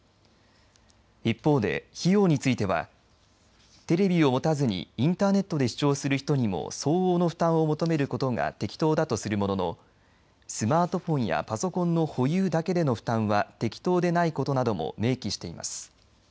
一方で、費用についてはテレビを持たずにインターネットで視聴する人にも相応の負担を求めることが適当だとするもののスマートフォンやパソコンの保有だけでの負担は適当でないことなども明記しています。